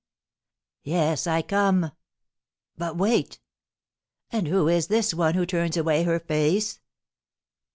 Yes, I come. But wait! And who is this one who turns away her face?